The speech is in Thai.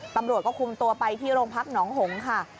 ตำรวจก็คุมตัวไปที่โรงพักหนองหงค่ะ